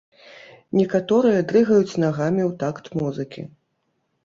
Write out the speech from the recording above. Некаторыя дрыгаюць нагамі ў такт музыкі.